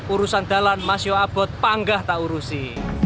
urusan jalan masih abot panggah tak urusi